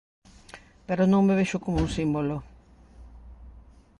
Pero non me vexo como un símbolo.